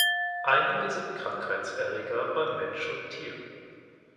Einige sind Krankheitserreger bei Mensch und Tier.